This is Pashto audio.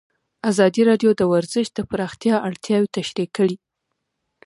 ازادي راډیو د ورزش د پراختیا اړتیاوې تشریح کړي.